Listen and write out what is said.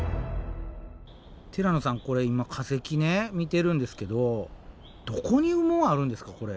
ティラノさんこれ今化石見てるんですけどどこに羽毛あるんですかこれ。